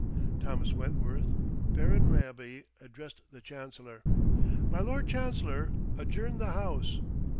Thomas Wentworth, Baron Raby, addressed the Chancellor. "My Lord Chancellor, adjourn the House."